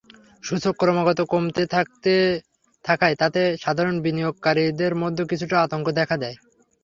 সূচক ক্রমাগত কমতে থাকায় তাতে সাধারণ বিনিয়োগকারীদের মধ্যে কিছুটা আতঙ্ক দেখা দেয়।